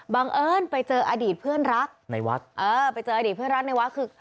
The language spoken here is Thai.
เอิญไปเจออดีตเพื่อนรักในวัดเออไปเจออดีตเพื่อนรักในวัดคือ